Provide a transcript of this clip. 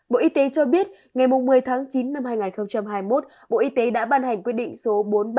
bộ y tế cho biết ngày một mươi tháng chín năm hai nghìn hai mươi một bộ y tế đã ban hành quy định số bốn nghìn ba trăm năm mươi năm